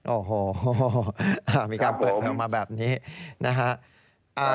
โอ้โหมีการเปิดเทอมมาแบบนี้นะฮะ